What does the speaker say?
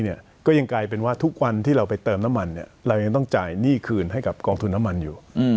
ก็ยังกลายเป็นว่าทุกวันที่เราไปเติมน้ำมันเรายังต้องจ่ายหนี้คืนให้กับกองทุนน้ำมันอยู่